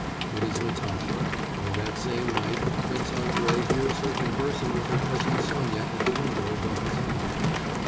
It is Natasha, and, that same night, Prince Andrei hears her conversing with her cousin Sonya at the window above his own.